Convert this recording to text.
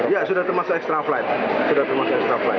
ya sudah termasuk extra flight